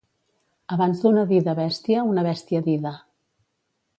Abans d'una dida bèstia, una bèstia dida.